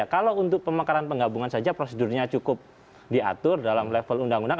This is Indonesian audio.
kalau untuk pemekaran penggabungan saja prosedurnya cukup diatur dalam level undang undang